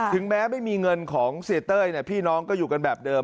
แม้ไม่มีเงินของเสียเต้ยพี่น้องก็อยู่กันแบบเดิม